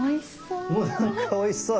おいしそう。